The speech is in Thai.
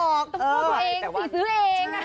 ต่อตัวเองที่ต่อตัวเอง